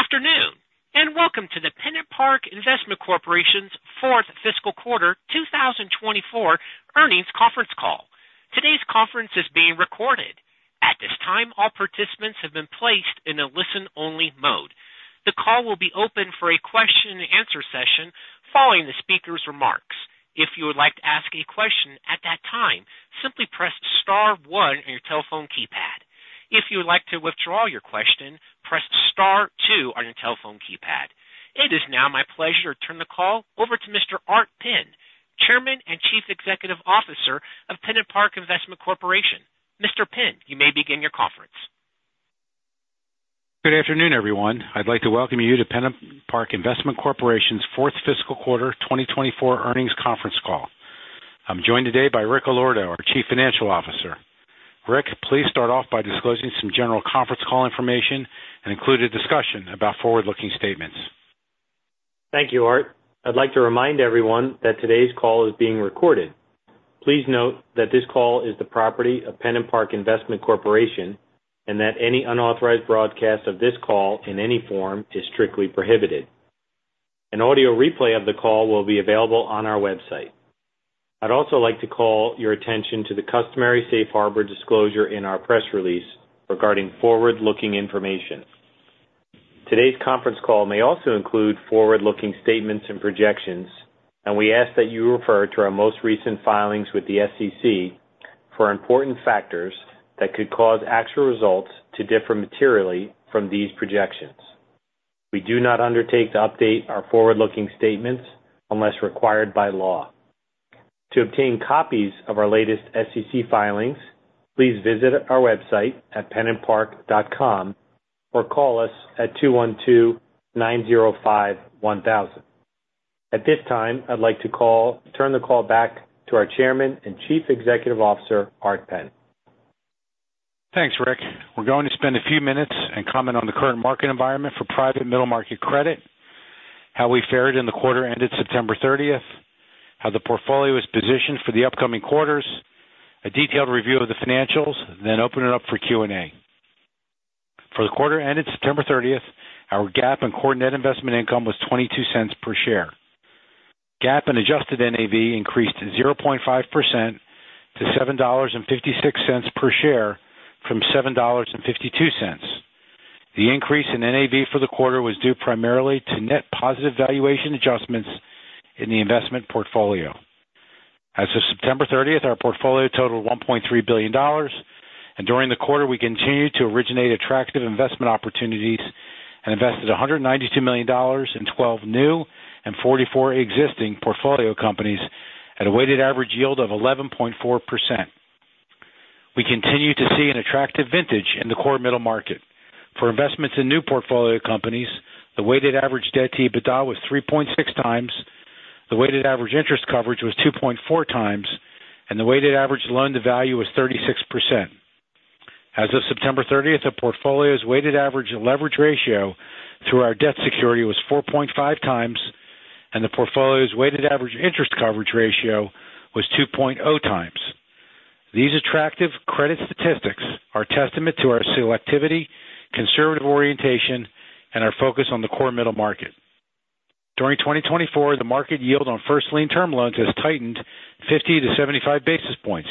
Good afternoon, and welcome to the PennantPark Investment Corporation's Fourth Fiscal Quarter 2024 Earnings Conference Call. Today's conference is being recorded. At this time, all participants have been placed in a listen-only mode. The call will be open for a question-and-answer session following the speaker's remarks. If you would like to ask a question at that time, simply press Star 1 on your telephone keypad. If you would like to withdraw your question, press Star 2 on your telephone keypad. It is now my pleasure to turn the call over to Mr. Arthur Penn, Chairman and Chief Executive Officer of PennantPark Investment Corporation. Mr. Penn, you may begin your conference. Good afternoon, everyone. I'd like to welcome you to PennantPark Investment Corporation's Fourth Fiscal Quarter 2024 Earnings Conference Call. I'm joined today by Rick Allorto, our Chief Financial Officer. Rick, please start off by disclosing some general conference call information and include a discussion about forward-looking statements. Thank you, Art. I'd like to remind everyone that today's call is being recorded. Please note that this call is the property of PennantPark Investment Corporation and that any unauthorized broadcast of this call in any form is strictly prohibited. An audio replay of the call will be available on our website. I'd also like to call your attention to the customary safe harbor disclosure in our press release regarding forward-looking information. Today's conference call may also include forward-looking statements and projections, and we ask that you refer to our most recent filings with the SEC for important factors that could cause actual results to differ materially from these projections. We do not undertake to update our forward-looking statements unless required by law. To obtain copies of our latest SEC filings, please visit our website at pennantpark.com or call us at 212-905-1000. At this time, I'd like to turn the call back to our Chairman and Chief Executive Officer, Arthur Penn. Thanks, Rick. We're going to spend a few minutes and comment on the current market environment for private middle-market credit, how we fared in the quarter ended September 30th, how the portfolio is positioned for the upcoming quarters, a detailed review of the financials, then open it up for Q&A. For the quarter ended September 30th, our GAAP and core net investment income was $0.22 per share. GAAP and adjusted NAV increased 0.5% to $7.56 per share from $7.52. The increase in NAV for the quarter was due primarily to net positive valuation adjustments in the investment portfolio. As of September 30th, our portfolio totaled $1.3 billion, and during the quarter, we continued to originate attractive investment opportunities and invested $192 million in 12 new and 44 existing portfolio companies at a weighted average yield of 11.4%. We continue to see an attractive vintage in the core middle market. For investments in new portfolio companies, the weighted average debt-to-EBITDA was 3.6 times, the weighted average interest coverage was 2.4 times, and the weighted average loan-to-value was 36%. As of September 30th, the portfolio's weighted average leverage ratio through our debt security was 4.5 times, and the portfolio's weighted average interest coverage ratio was 2.0 times. These attractive credit statistics are a testament to our selectivity, conservative orientation, and our focus on the core middle market. During 2024, the market yield on first-lien term loans has tightened 50-75 basis points.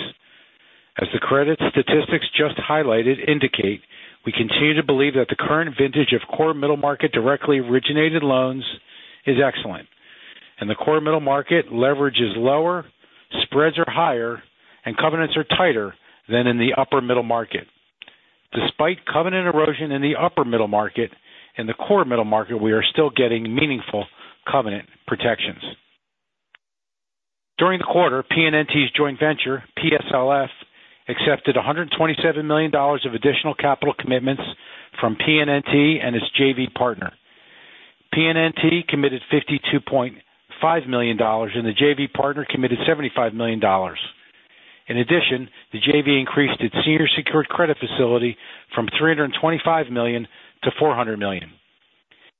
As the credit statistics just highlighted indicate, we continue to believe that the current vintage of core middle market directly originated loans is excellent, and the core middle market leverage is lower, spreads are higher, and covenants are tighter than in the upper middle market. Despite covenant erosion in the upper middle market and the core middle market, we are still getting meaningful covenant protections. During the quarter, PNNT's joint venture, PSLF, accepted $127 million of additional capital commitments from PNNT and its JV partner. PNNT committed $52.5 million, and the JV partner committed $75 million. In addition, the JV increased its senior secured credit facility from $325 to 400 million.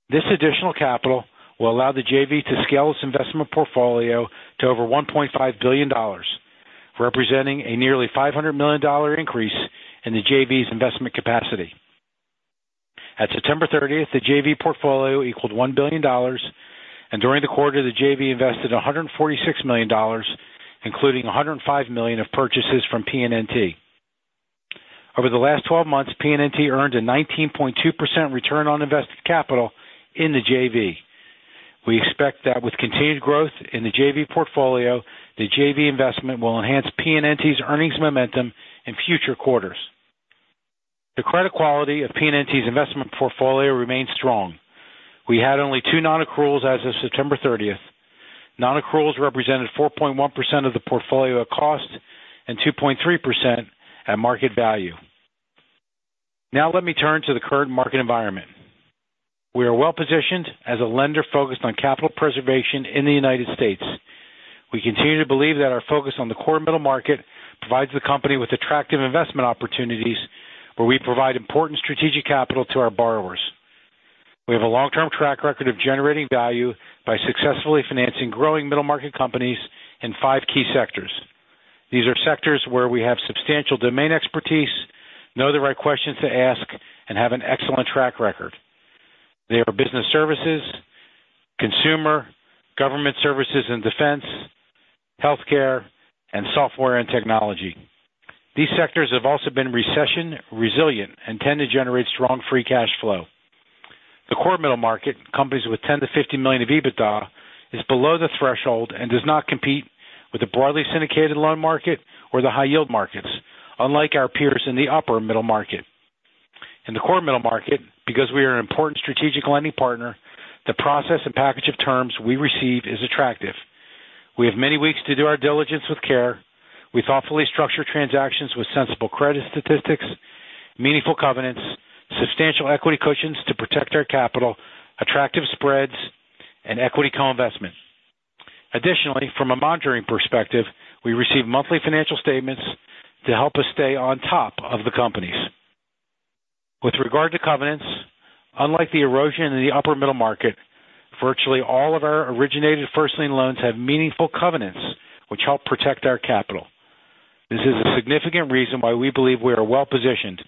This additional capital will allow the JV to scale its investment portfolio to over $1.5 billion, representing a nearly $500 million increase in the JV's investment capacity. At September 30th, the JV portfolio equaled $1 billion, and during the quarter, the JV invested $146 million, including $105 million of purchases from PNNT. Over the last 12 months, PNNT earned a 19.2% return on invested capital in the JV. We expect that with continued growth in the JV portfolio, the JV investment will enhance PNNT's earnings momentum in future quarters. The credit quality of PNNT's investment portfolio remains strong. We had only two non-accruals as of September 30th. Non-accruals represented 4.1% of the portfolio at cost and 2.3% at market value. Now let me turn to the current market environment. We are well-positioned as a lender focused on capital preservation in the United States. We continue to believe that our focus on the core middle market provides the company with attractive investment opportunities where we provide important strategic capital to our borrowers. We have a long-term track record of generating value by successfully financing growing middle-market companies in five key sectors. These are sectors where we have substantial domain expertise, know the right questions to ask, and have an excellent track record. They are business services, consumer, government services and defense, healthcare, and software and technology. These sectors have also been recession-resilient and tend to generate strong free cash flow. The core middle market, companies with 10-50 million of EBITDA, is below the threshold and does not compete with the broadly syndicated loan market or the high-yield markets, unlike our peers in the upper middle market. In the core middle market, because we are an important strategic lending partner, the process and package of terms we receive is attractive. We have many weeks to do our diligence with care. We thoughtfully structure transactions with sensible credit statistics, meaningful covenants, substantial equity cushions to protect our capital, attractive spreads, and equity co-investment. Additionally, from a monitoring perspective, we receive monthly financial statements to help us stay on top of the companies. With regard to covenants, unlike the erosion in the upper middle market, virtually all of our originated first-lien loans have meaningful covenants which help protect our capital. This is a significant reason why we believe we are well-positioned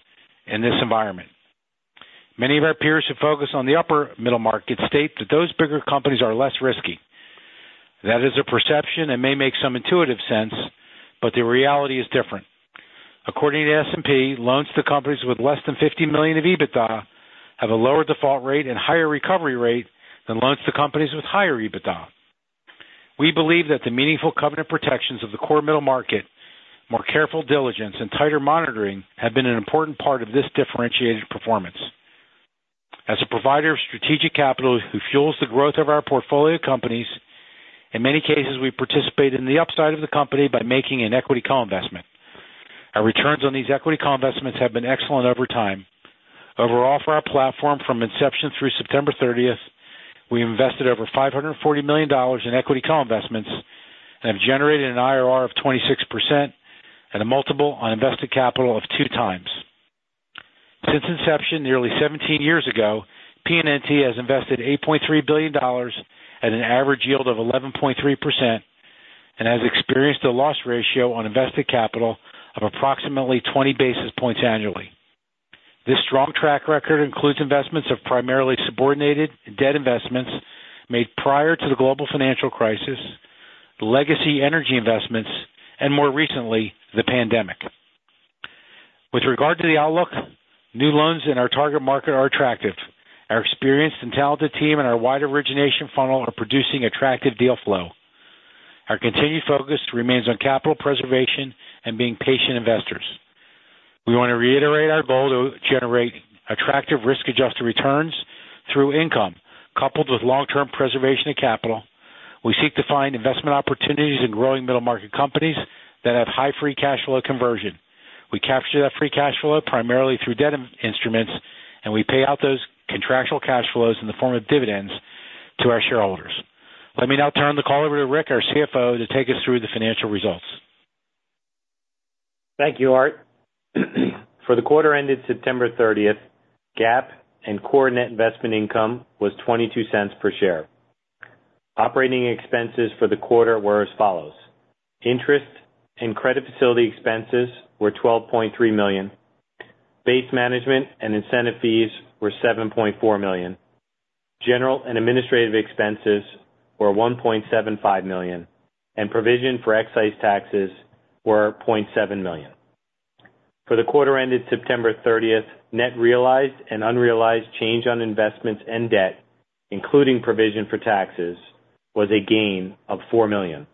in this environment. Many of our peers who focus on the upper middle market state that those bigger companies are less risky. That is a perception and may make some intuitive sense, but the reality is different. According to S&P, loans to companies with less than $50 million of EBITDA have a lower default rate and higher recovery rate than loans to companies with higher EBITDA. We believe that the meaningful covenant protections of the core middle market, more careful diligence, and tighter monitoring have been an important part of this differentiated performance. As a provider of strategic capital who fuels the growth of our portfolio companies, in many cases, we participate in the upside of the company by making an equity co-investment. Our returns on these equity co-investments have been excellent over time. Overall, for our platform from inception through September 30th, we invested over $540 million in equity co-investments and have generated an IRR of 26% and a multiple on invested capital of two times. Since inception nearly 17 years ago, PNNT has invested $8.3 billion at an average yield of 11.3% and has experienced a loss ratio on invested capital of approximately 20 basis points annually. This strong track record includes investments of primarily subordinated debt investments made prior to the global financial crisis, legacy energy investments, and more recently, the pandemic. With regard to the outlook, new loans in our target market are attractive. Our experienced and talented team and our wide origination funnel are producing attractive deal flow. Our continued focus remains on capital preservation and being patient investors. We want to reiterate our goal to generate attractive risk-adjusted returns through income coupled with long-term preservation of capital. We seek to find investment opportunities in growing middle-market companies that have high free cash flow conversion. We capture that free cash flow primarily through debt instruments, and we pay out those contractual cash flows in the form of dividends to our shareholders. Let me now turn the call over to Rick, our CFO, to take us through the financial results. Thank you, Art. For the quarter ended September 30th, GAAP and core net investment income was $0.22 per share. Operating expenses for the quarter were as follows. Interest and credit facility expenses were $12.3 million. Base management and incentive fees were $7.4 million. General and administrative expenses were $1.75 million, and provision for excise taxes were $0.7 million. For the quarter ended September 30th, net realized and unrealized change on investments and debt, including provision for taxes, was a gain of $4 million.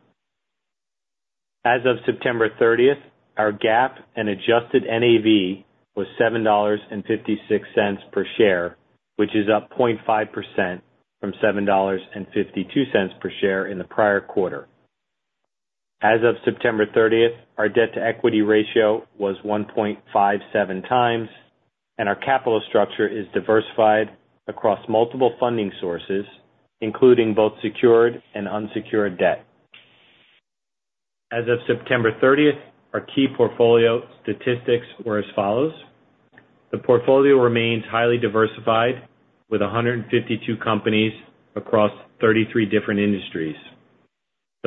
As of September 30th, our GAAP and adjusted NAV was $7.56 per share, which is up 0.5% from $7.52 per share in the prior quarter. As of September 30th, our debt-to-equity ratio was 1.57 times, and our capital structure is diversified across multiple funding sources, including both secured and unsecured debt. As of September 30th, our key portfolio statistics were as follows. The portfolio remains highly diversified with 152 companies across 33 different industries.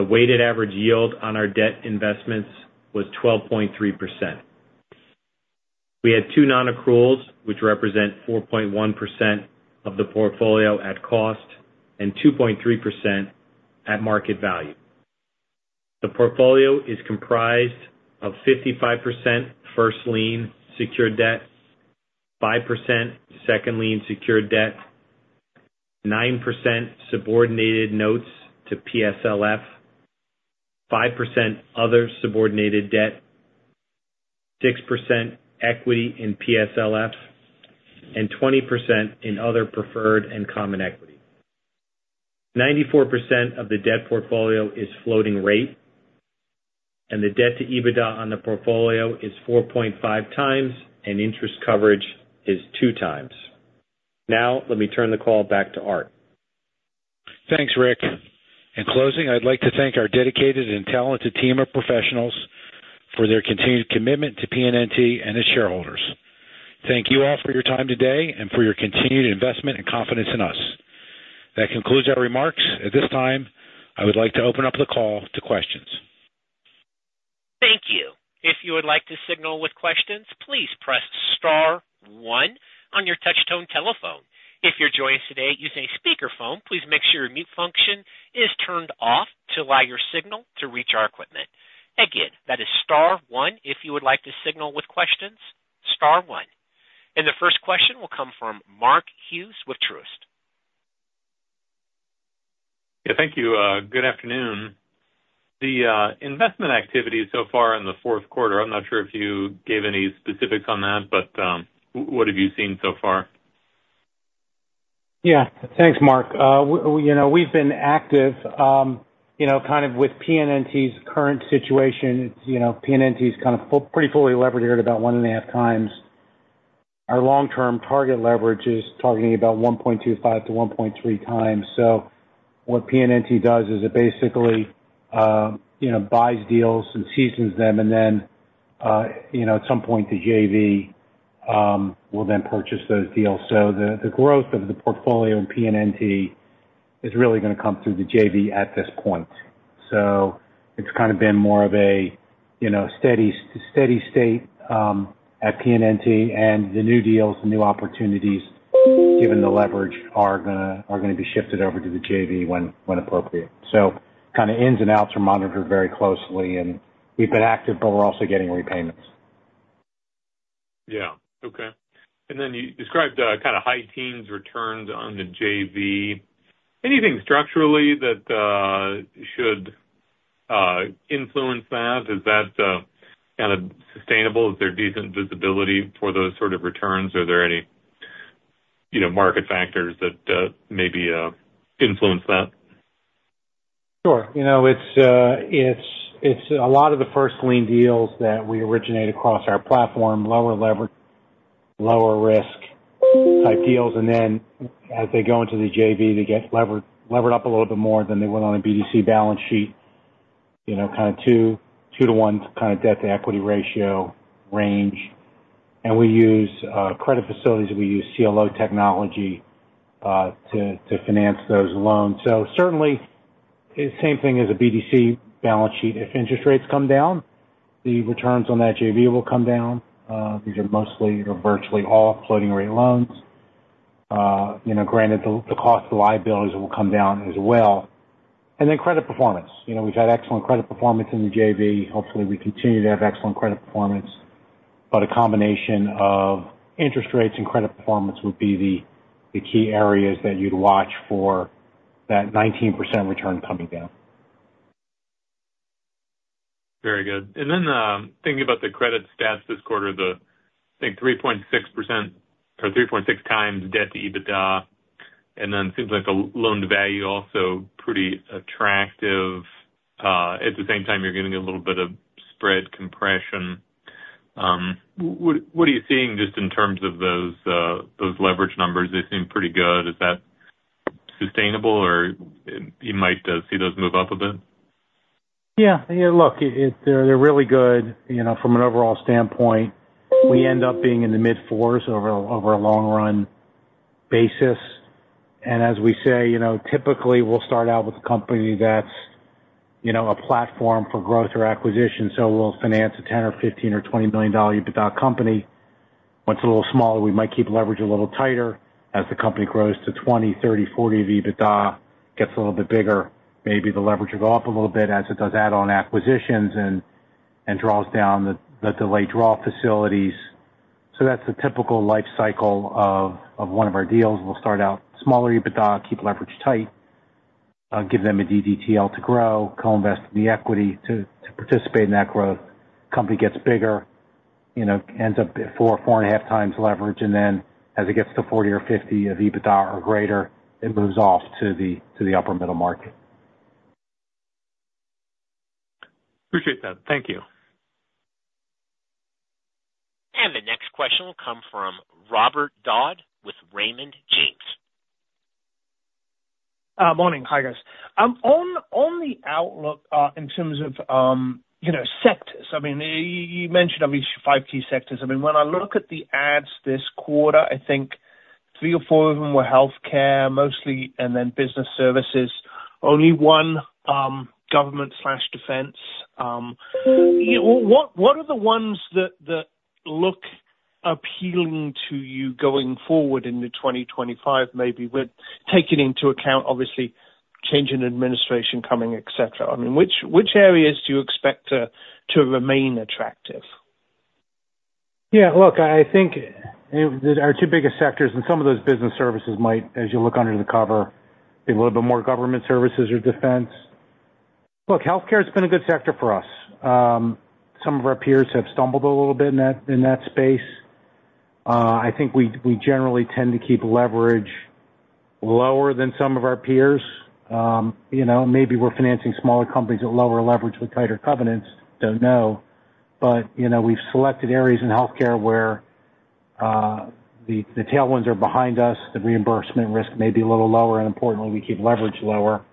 The weighted average yield on our debt investments was 12.3%. We had two non-accruals, which represent 4.1% of the portfolio at cost and 2.3% at market value. The portfolio is comprised of 55% first-lien secured debt, 5% second-lien secured debt, 9% subordinated notes to PSLF, 5% other subordinated debt, 6% equity in PSLF, and 20% in other preferred and common equity. 94% of the debt portfolio is floating rate, and the debt-to-EBITDA on the portfolio is 4.5 times, and interest coverage is two times. Now let me turn the call back to Art. Thanks, Rick. In closing, I'd like to thank our dedicated and talented team of professionals for their continued commitment to PNNT and its shareholders. Thank you all for your time today and for your continued investment and confidence in us. That concludes our remarks. At this time, I would like to open up the call to questions. Thank you. If you would like to signal with questions, please press Star 1 on your touch-tone telephone. If you're joining us today using a speakerphone, please make sure your mute function is turned off to allow your signal to reach our equipment. Again, that is Star 1. If you would like to signal with questions, Star 1. And the first question will come from Mark Hughes with Truist. Yeah, thank you. Good afternoon. The investment activity so far in the Q4, I'm not sure if you gave any specifics on that, but what have you seen so far? Yeah, thanks, Mark. We've been active kind of with PNNT's current situation. PNNT's kind of pretty fully leveraged here at about one and a half times. Our long-term target leverage is targeting about 1.25-1.3 times. So what PNNT does is it basically buys deals and seasons them, and then at some point, the JV will then purchase those deals. So the growth of the portfolio in PNNT is really going to come through the JV at this point. So it's kind of been more of a steady state at PNNT, and the new deals, the new opportunities, given the leverage, are going to be shifted over to the JV when appropriate. So kind of ins and outs are monitored very closely, and we've been active, but we're also getting repayments. Yeah. Okay. And then you described kind of high teens returns on the JV. Anything structurally that should influence that? Is that kind of sustainable? Is there decent visibility for those sort of returns? Are there any market factors that maybe influence that? Sure. It's a lot of the first-lien deals that we originate across our platform, lower leverage, lower risk type deals. And then as they go into the JV, they get levered up a little bit more than they would on a BDC balance sheet, kind of two-to-one kind of debt-to-equity ratio range. And we use credit facilities. We use CLO technology to finance those loans. So certainly, same thing as a BDC balance sheet. If interest rates come down, the returns on that JV will come down. These are mostly or virtually all floating-rate loans. Granted, the cost of liabilities will come down as well. And then credit performance. We've had excellent credit performance in the JV. Hopefully, we continue to have excellent credit performance. But a combination of interest rates and credit performance would be the key areas that you'd watch for that 19% return coming down. Very good. And then, thinking about the credit stats this quarter, I think 3.6% or 3.6 times debt-to-EBITDA, and then it seems like the loan-to-value also pretty attractive. At the same time, you're getting a little bit of spread compression. What are you seeing just in terms of those leverage numbers? They seem pretty good. Is that sustainable, or you might see those move up a bit? Yeah. Yeah. Look, they're really good from an overall standpoint. We end up being in the mid-4s over a long-run basis. And as we say, typically, we'll start out with a company that's a platform for growth or acquisition. So we'll finance a $10 million, $15 million, or $20 million EBITDA company. Once it's a little smaller, we might keep leverage a little tighter. As the company grows to $20 million, $30 million, $40 million of EBITDA, it gets a little bit bigger. Maybe the leverage will go up a little bit as it does add-on acquisitions and draws down the delayed draw facilities, so that's the typical life cycle of one of our deals. We'll start out smaller EBITDA, keep leverage tight, give them a DDTL to grow, co-invest in the equity to participate in that growth. The company gets bigger, ends up at four, four and a half times leverage, and then as it gets to 40 or 50 of EBITDA or greater, it moves off to the upper middle market. Appreciate that. Thank you. The next question will come from Robert Dodd with Raymond James. Morning. Hi, guys. On the outlook in terms of sectors, I mean, you mentioned at least five key sectors. I mean, when I look at the adds this quarter, I think three or four of them were healthcare mostly, and then business services. Only one government/defense. What are the ones that look appealing to you going forward in 2025, maybe with taking into account, obviously, change in administration coming, etc.? I mean, which areas do you expect to remain attractive? Yeah. Look, I think our two biggest sectors, and some of those business services might, as you look under the hood, be a little bit more government services or defense. Look, healthcare has been a good sector for us. Some of our peers have stumbled a little bit in that space. I think we generally tend to keep leverage lower than some of our peers. Maybe we're financing smaller companies at lower leverage with tighter covenants. Don't know. But we've selected areas in healthcare where the tailwinds are behind us. The reimbursement risk may be a little lower, and importantly, we keep leverage lower,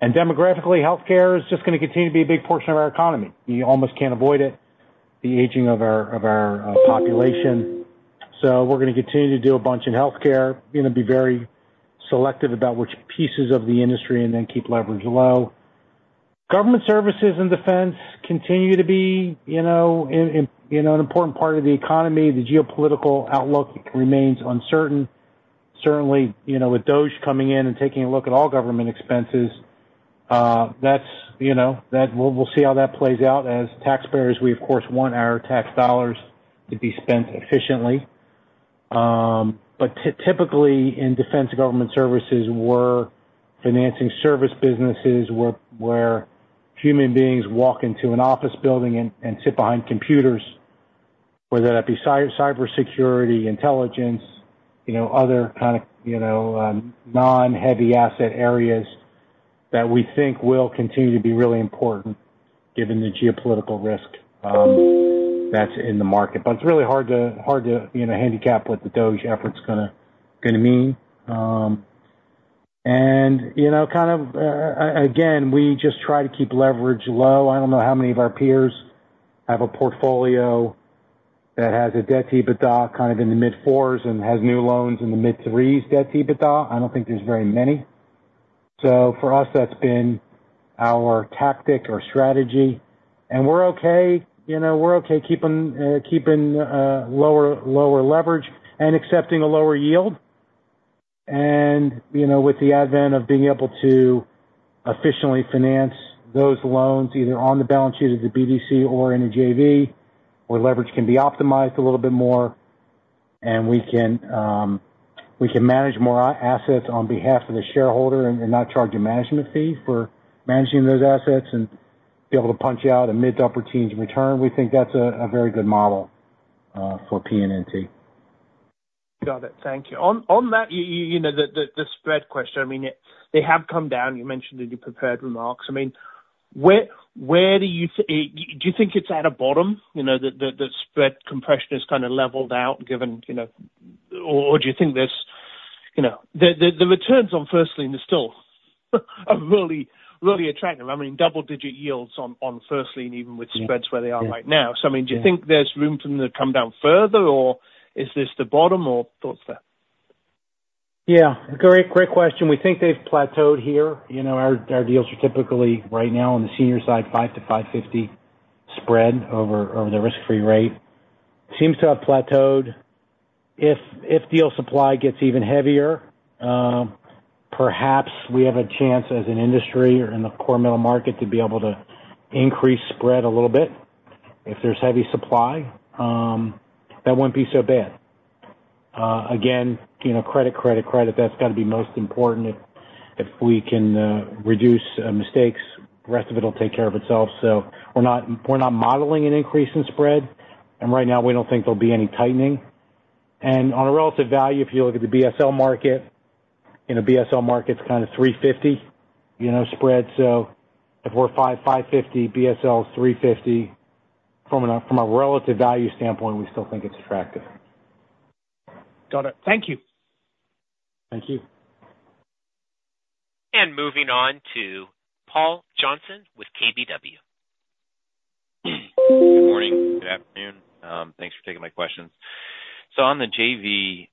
and demographically, healthcare is just going to continue to be a big portion of our economy. You almost can't avoid it, the aging of our population, so we're going to continue to do a bunch in healthcare. We're going to be very selective about which pieces of the industry and then keep leverage low. Government services and defense continue to be an important part of the economy. The geopolitical outlook remains uncertain. Certainly, with DOGE coming in and taking a look at all government expenses, we'll see how that plays out. As taxpayers, we, of course, want our tax dollars to be spent efficiently. But typically, in defense and government services, we're financing service businesses where human beings walk into an office building and sit behind computers, whether that be cybersecurity, intelligence, other kind of non-heavy asset areas that we think will continue to be really important given the geopolitical risk that's in the market. But it's really hard to handicap what the DOGE effort's going to mean, and kind of, again, we just try to keep leverage low. I don't know how many of our peers have a portfolio that has a debt-to-EBITDA kind of in the mid-4s and has new loans in the mid-3s debt-to-EBITDA. I don't think there's very many. So for us, that's been our tactic or strategy, and we're okay keeping lower leverage and accepting a lower yield, and with the advent of being able to efficiently finance those loans either on the balance sheet of the BDC or in a JV, where leverage can be optimized a little bit more and we can manage more assets on behalf of the shareholder and not charge a management fee for managing those assets and be able to punch out a mid-to-upper teens return, we think that's a very good model for PNNT. Got it. Thank you. On that, the spread question, I mean, they have come down. You mentioned in your prepared remarks. I mean, where do you think do you think it's at a bottom, that spread compression has kind of leveled out given or do you think there's the returns on first-lien are still really attractive? I mean, double-digit yields on first-lien even with spreads where they are right now. So I mean, do you think there's room for them to come down further, or is this the bottom, or thoughts there? Yeah. Great question. We think they've plateaued here. Our deals are typically right now on the senior side, 5-5.50% spread over the risk-free rate. Seems to have plateaued. If deal supply gets even heavier, perhaps we have a chance as an industry or in the core middle market to be able to increase spread a little bit. If there's heavy supply, that wouldn't be so bad. Again, credit, credit, credit. That's got to be most important. If we can reduce mistakes, the rest of it will take care of itself. So we're not modeling an increase in spread. And right now, we don't think there'll be any tightening. And on a relative value, if you look at the BSL market, BSL market's kind of 3.50% spread. So if we're 5.50%, BSL's 3.50%. From a relative value standpoint, we still think it's attractive. Got it. Thank you. Thank you. Moving on to Paul Johnson with KBW. Good morning. Good afternoon. Thanks for taking my questions. So on the JV,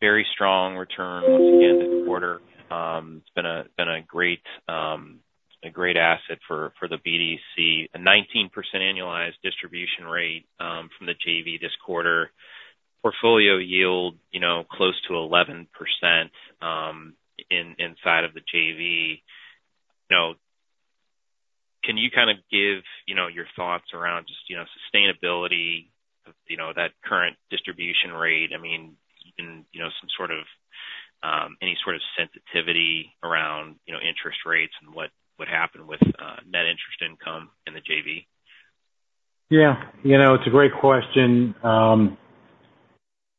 very strong return once again this quarter. It's been a great asset for the BDC. A 19% annualized distribution rate from the JV this quarter. Portfolio yield close to 11% inside of the JV. Can you kind of give your thoughts around just sustainability, that current distribution rate, I mean, some sort of sensitivity around interest rates and what happened with net interest income in the JV? Yeah. It's a great question.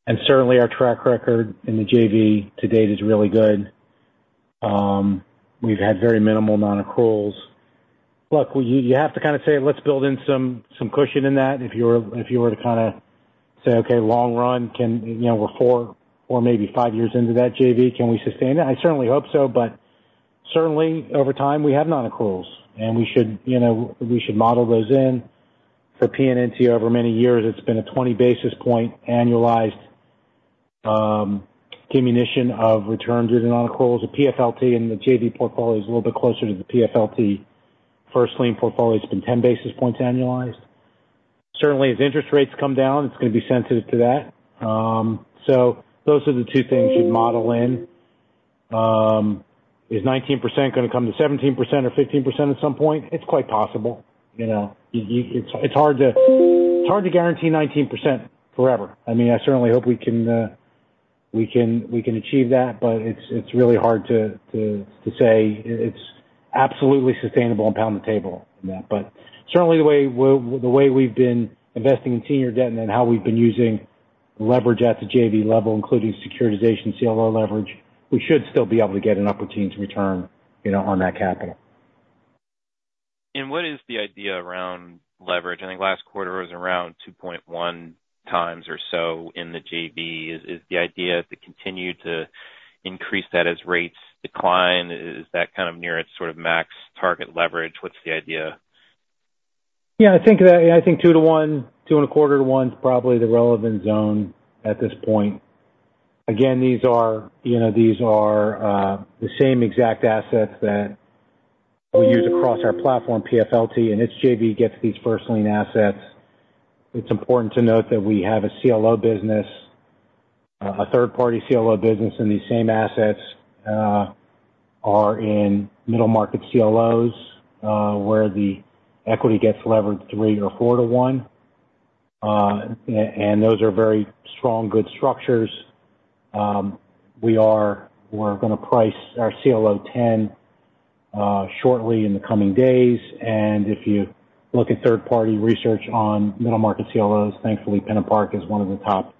And certainly, our track record in the JV to date is really good. We've had very minimal non-accruals. Look, you have to kind of say, "Let's build in some cushion in that." If you were to kind of say, "Okay, long run, we're four or maybe five years into that JV. Can we sustain that?" I certainly hope so. But certainly, over time, we have non-accruals, and we should model those in. For PNNT, over many years, it's been a 20 basis point annualized diminution of return due to non-accruals. The PSLF in the JV portfolio is a little bit closer to the PFLT. First-lien portfolio has been 10 basis points annualized. Certainly, as interest rates come down, it's going to be sensitive to that. So those are the two things you'd model in. Is 19% going to come to 17% or 15% at some point? It's quite possible. It's hard to guarantee 19% forever. I mean, I certainly hope we can achieve that, but it's really hard to say it's absolutely sustainable and pound the table in that. But certainly, the way we've been investing in senior debt and then how we've been using leverage at the JV level, including securitization, CLO leverage, we should still be able to get an upper teens return on that capital. What is the idea around leverage? I think last quarter was around 2.1 times or so in the JV. Is the idea to continue to increase that as rates decline? Is that kind of near its sort of max target leverage? What's the idea? Yeah. I think two to one, two and a quarter to one is probably the relevant zone at this point. Again, these are the same exact assets that we use across our platform, PFLT. And its JV gets these first-lien assets. It's important to note that we have a CLO business. A third-party CLO business in these same assets are in middle market CLOs where the equity gets leveraged three or four to one. And those are very strong, good structures. We're going to price our CLO 10 shortly in the coming days. And if you look at third-party research on middle market CLOs, thankfully, PennantPark is one of the top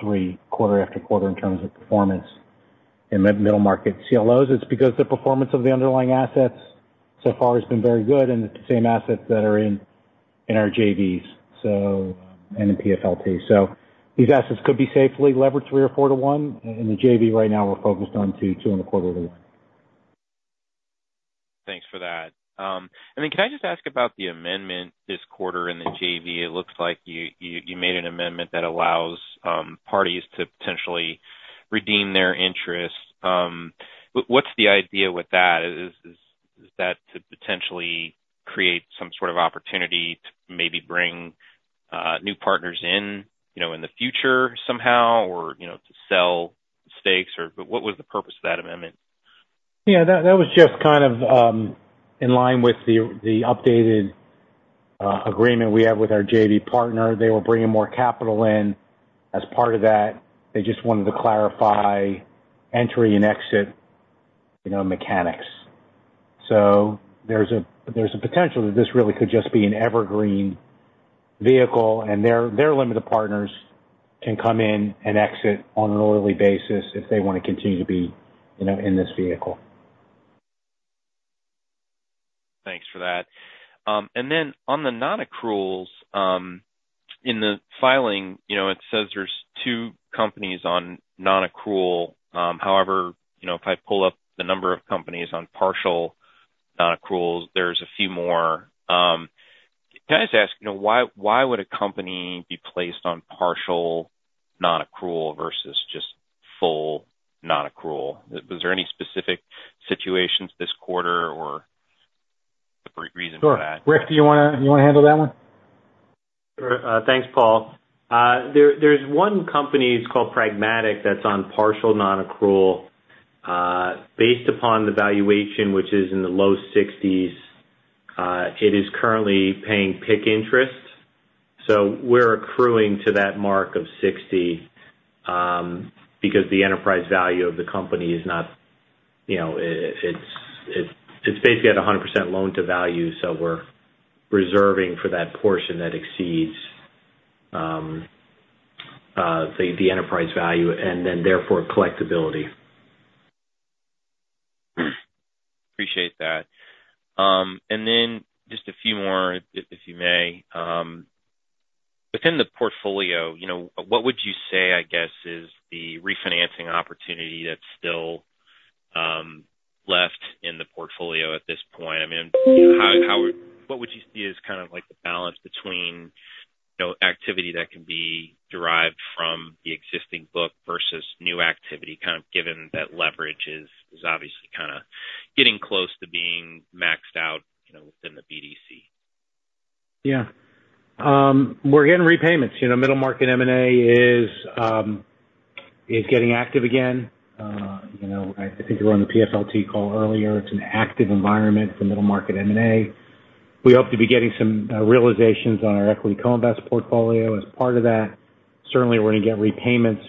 three quarter after quarter in terms of performance in middle market CLOs. It's because the performance of the underlying assets so far has been very good in the same assets that are in our JVs and in PFLT. These assets could be safely leveraged three or four to one. In the JV right now, we're focused on two, two and a quarter to one. Thanks for that. And then can I just ask about the amendment this quarter in the JV? It looks like you made an amendment that allows parties to potentially redeem their interest. What's the idea with that? Is that to potentially create some sort of opportunity to maybe bring new partners in the future somehow or to sell stakes? But what was the purpose of that amendment? Yeah. That was just kind of in line with the updated agreement we have with our JV partner. They were bringing more capital in as part of that. They just wanted to clarify entry and exit mechanics, so there's a potential that this really could just be an evergreen vehicle, and their limited partners can come in and exit on an orderly basis if they want to continue to be in this vehicle. Thanks for that. And then on the non-accruals, in the filing, it says there's two companies on non-accrual. However, if I pull up the number of companies on partial non-accruals, there's a few more. Can I just ask, why would a company be placed on partial non-accrual versus just full non-accrual? Was there any specific situations this quarter or a reason for that? Greg, do you want to handle that one? Thanks, Paul. There's one company called Pragmatic that's on partial non-accrual. Based upon the valuation, which is in the low 60s, it is currently paying PIK interest. So we're accruing to that mark of 60 because the enterprise value of the company is not. It's basically at 100% loan-to-value. So we're reserving for that portion that exceeds the enterprise value and then therefore collectibility. Appreciate that. And then just a few more, if you may. Within the portfolio, what would you say, I guess, is the refinancing opportunity that's still left in the portfolio at this point? I mean, what would you see as kind of the balance between activity that can be derived from the existing book versus new activity, kind of given that leverage is obviously kind of getting close to being maxed out within the BDC? Yeah. We're getting repayments. Middle market M&A is getting active again. I think you were on the PFLT call earlier. It's an active environment for middle market M&A. We hope to be getting some realizations on our equity co-invest portfolio as part of that. Certainly, we're going to get repayments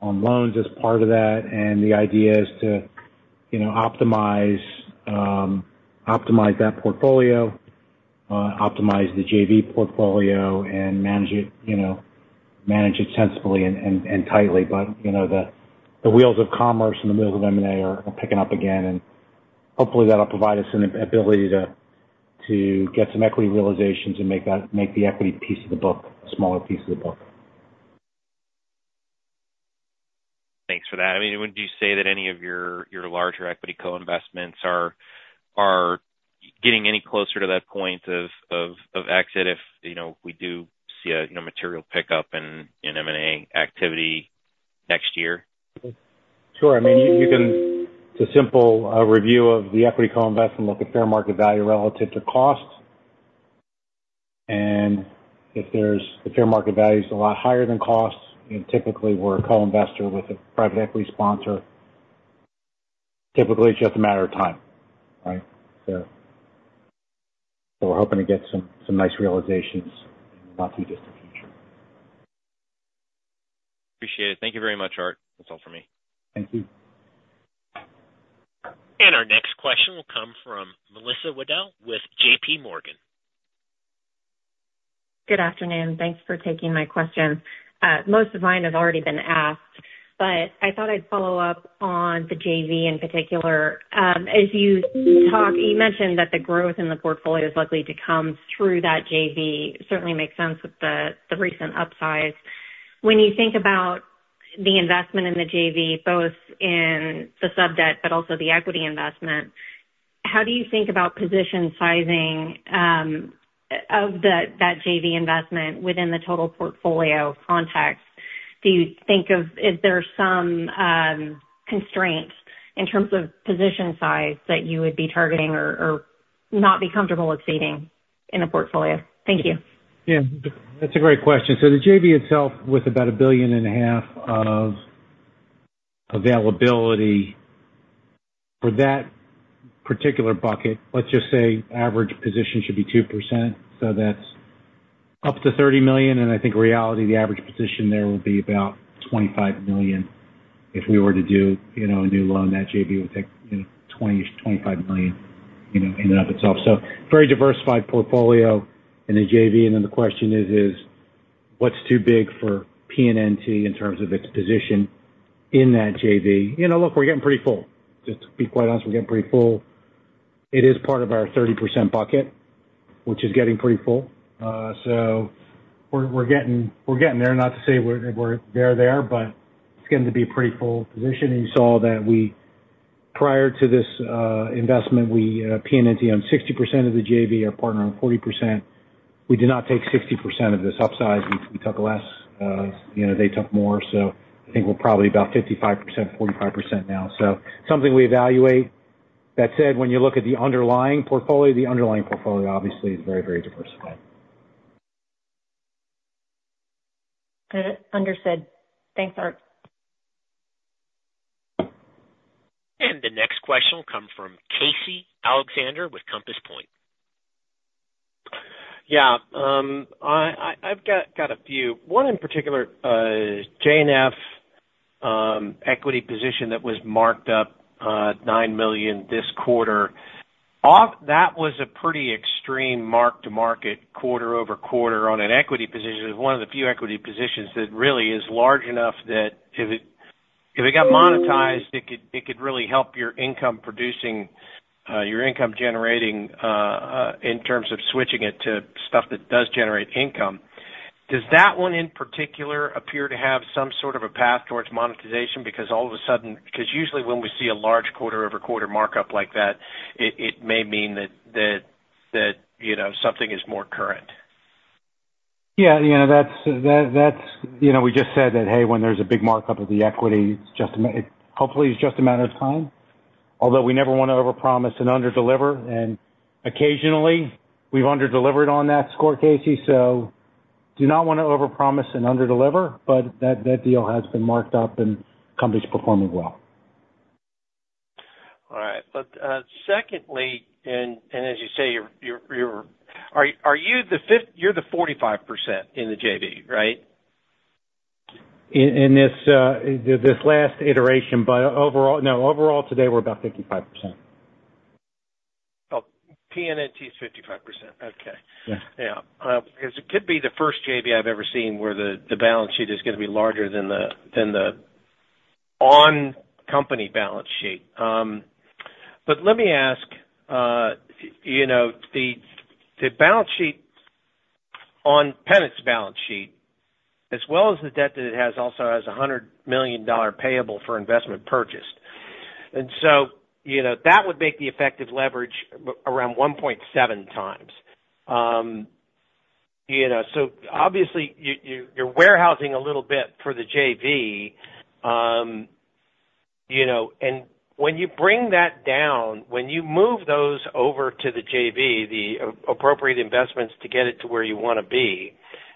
on loans as part of that, and the idea is to optimize that portfolio, optimize the JV portfolio, and manage it sensibly and tightly, but the wheels of commerce and the wheels of M&A are picking up again, and hopefully, that'll provide us an ability to get some equity realizations and make the equity piece of the book, a smaller piece of the book. Thanks for that. I mean, would you say that any of your larger equity co-investments are getting any closer to that point of exit if we do see a material pickup in M&A activity next year? Sure. I mean, it's a simple review of the equity co-invest and look at fair market value relative to cost. And if the fair market value is a lot higher than cost, typically, we're a co-investor with a private equity sponsor. Typically, it's just a matter of time, right? So we're hoping to get some nice realizations in the not-too-distant future. Appreciate it. Thank you very much, Art. That's all for me. Thank you. Our next question will come from Melissa Wedel with J.P. Morgan. Good afternoon. Thanks for taking my question. Most of mine have already been asked, but I thought I'd follow up on the JV in particular. As you mentioned that the growth in the portfolio is likely to come through that JV. That certainly makes sense with the recent upside. When you think about the investment in the JV, both in the sub debt, but also the equity investment, how do you think about position sizing of that JV investment within the total portfolio context? Do you think, or is there some constraint in terms of position size that you would be targeting or not be comfortable exceeding in the portfolio? Thank you. Yeah. That's a great question. So the JV itself, with about $1.5 billion of availability for that particular bucket, let's just say average position should be 2%. So that's up to $30 million. And in reality, the average position there will be about $25 million. If we were to do a new loan in that JV, it would take $20-$25 million in and of itself. So very diversified portfolio in the JV. And then the question is, what's too big for PNNT in terms of its position in that JV? Look, we're getting pretty full. To be quite honest, we're getting pretty full. It is part of our 30% bucket, which is getting pretty full. So we're getting there. Not to say we're there, but it's getting to be a pretty full position. You saw that prior to this investment, PNNT owned 60% of the JV. Our partner owned 40%. We did not take 60% of this upsize. We took less. They took more. So I think we're probably about 55%, 45% now. So something we evaluate. That said, when you look at the underlying portfolio, the underlying portfolio obviously is very, very diversified. Understood. Thanks, Art. The next question will come from Casey Alexander with Compass Point. Yeah. I've got a few. One in particular, JF equity position that was marked up $9 million this quarter. That was a pretty extreme mark-to-market quarter-over-quarter on an equity position. It's one of the few equity positions that really is large enough that if it got monetized, it could really help your income generating in terms of switching it to stuff that does generate income. Does that one in particular appear to have some sort of a path towards monetization? Because all of a sudden, because usually when we see a large quarter-over-quarter markup like that, it may mean that something is more current. Yeah. That's we just said that, hey, when there's a big markup of the equity, hopefully, it's just a matter of time. Although we never want to overpromise and underdeliver. And occasionally, we've underdelivered on that, So, Casey. I do not want to overpromise and underdeliver. But that deal has been marked up, and the company's performing well. All right, but secondly, and as you say, you're the 45% in the JV, right? In this last iteration, but overall, no. Overall, today, we're about 55%. Oh, PNNT is 55%. Okay. Yeah. Yeah. Because it could be the first JV I've ever seen where the balance sheet is going to be larger than the on-company balance sheet. But let me ask, the balance sheet on PennantPark's balance sheet, as well as the debt that it has, also has a $100 million payable for investment purchased. And so that would make the effective leverage around 1.7 times. So obviously, you're warehousing a little bit for the JV. And when you bring that down, when you move those over to the JV, the appropriate investments to get it to where you want to be,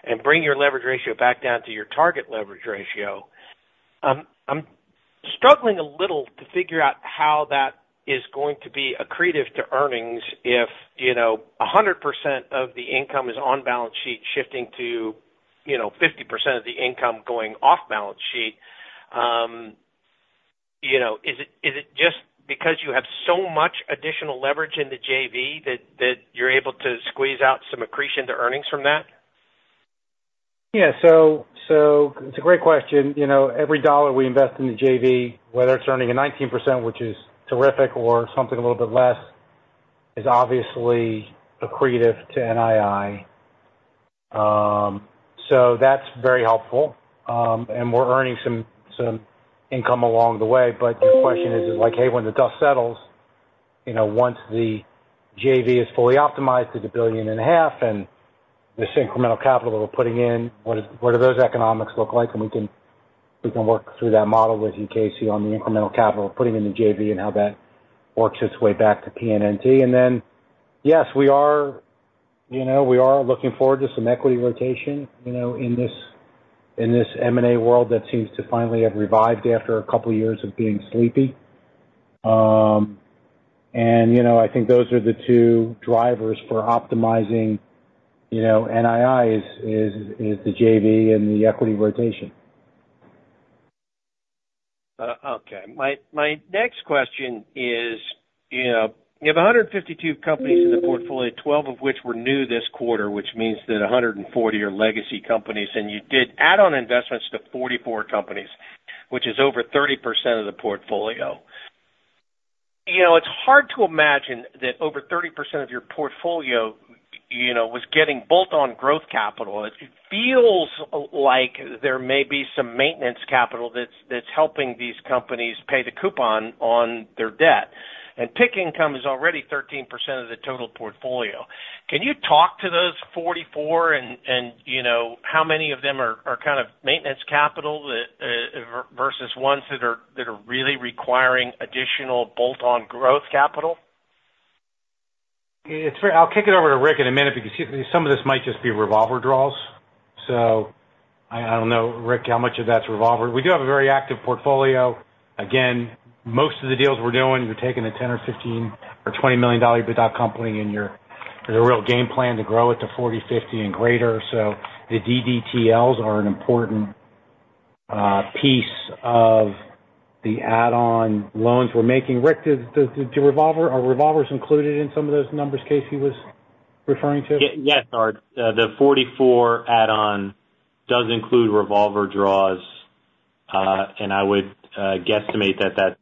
and bring your leverage ratio back down to your target leverage ratio, I'm struggling a little to figure out how that is going to be accretive to earnings if 100% of the income is on balance sheet shifting to 50% of the income going off balance sheet. Is it just because you have so much additional leverage in the JV that you're able to squeeze out some accretion to earnings from that? Yeah. So it's a great question. Every dollar we invest in the JV, whether it's earning a 19%, which is terrific, or something a little bit less, is obviously accretive to NII. So that's very helpful. And we're earning some income along the way. But your question is, like, hey, when the dust settles, once the JV is fully optimized to 1.5 billion and this incremental capital that we're putting in, what do those economics look like? And we can work through that model with you, Casey, on the incremental capital we're putting in the JV and how that works its way back to PNNT. And then, yes, we are looking forward to some equity rotation in this M&A world that seems to finally have revived after a couple of years of being sleepy. I think those are the two drivers for optimizing NII is the JV and the equity rotation. Okay. My next question is, you have 152 companies in the portfolio, 12 of which were new this quarter, which means that 140 are legacy companies, and you did add-on investments to 44 companies, which is over 30% of the portfolio. It's hard to imagine that over 30% of your portfolio was getting bolt-on growth capital. It feels like there may be some maintenance capital that's helping these companies pay the coupon on their debt, and PIK income is already 13% of the total portfolio. Can you talk to those 44 and how many of them are kind of maintenance capital versus ones that are really requiring additional bolt-on growth capital? I'll kick it over to Rick in a minute because some of this might just be revolver draws. So I don't know, Rick, how much of that's revolver. We do have a very active portfolio. Again, most of the deals we're doing, you're taking a $10 million or $15 million or $20 million buyout company and you have a real game plan to grow it to $40 million, $50 million, and greater. So the DDTLs are an important piece of the add-on loans we're making. Rick, are revolvers included in some of those numbers Casey was referring to? Yes, Art. The $44 add-on does include revolver draws. And I would guesstimate that that's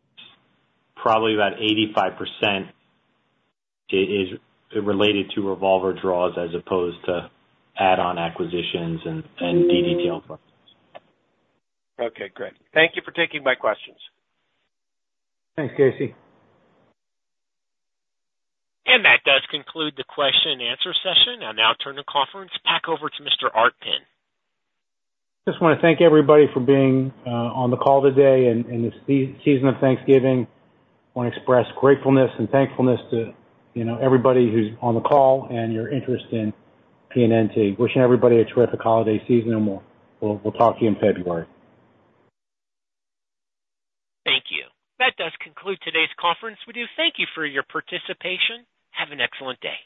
probably about 85% is related to revolver draws as opposed to add-on acquisitions and DDTL projects. Okay. Great. Thank you for taking my questions. Thanks, Casey. That does conclude the question and answer session. I'll now turn the conference back over to Mr. Arthur Penn. Just want to thank everybody for being on the call today in this season of Thanksgiving. I want to express gratefulness and thankfulness to everybody who's on the call and your interest in PNNT. Wishing everybody a terrific holiday season, and we'll talk to you in February. Thank you. That does conclude today's conference. We do thank you for your participation. Have an excellent day.